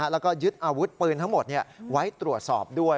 แล้วก็ยึดอาวุธปืนทั้งหมดไว้ตรวจสอบด้วย